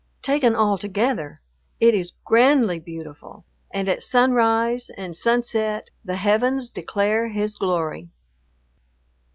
Taken altogether, it is grandly beautiful, and at sunrise and sunset the "heavens declare His glory."